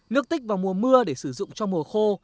nước tích vào mùa mưa để sử dụng cho mùa khô